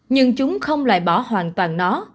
nhưng chúng không loại bỏ hoàn toàn nó